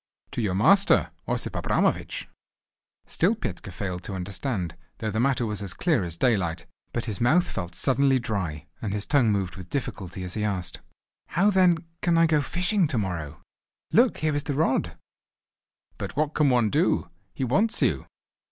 "To your master, Osip Abramovich." Still Petka failed to understand, though the matter was as clear as daylight. But his mouth felt suddenly dry, and his tongue moved with difficulty as he asked: "How then can I go fishing to morrow? Look, here is the rod." "But what can one do? He wants you.